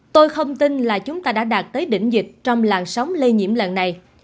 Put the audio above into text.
tôi không tin là chúng ta đã đạt tới đỉnh dịch trong làn sóng lây nhiễm lần này